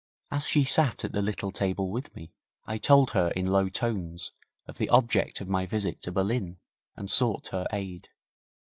As she sat at the little table with me, I told her in low tones of the object of my visit to Berlin, and sought her aid.